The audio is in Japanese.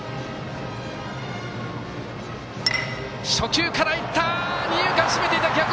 初球からいった！